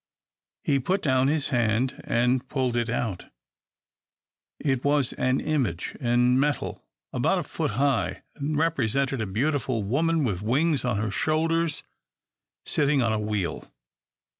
He put down his hand, and pulled it out. It was an image, in metal, about a foot high, and represented a beautiful woman, with wings on her shoulders, sitting on a wheel.